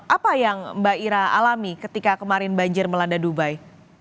apa yang mbak ira alami ketika kemarin banjir melanda dubai